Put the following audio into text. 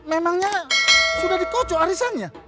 memangnya sudah dikocok arisannya